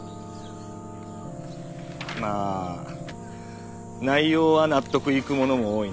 まあ内容は納得いくものも多いな。